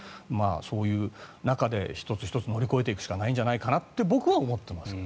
そういうことで１つ１つ乗り越えていくんじゃないかと僕は思ってます。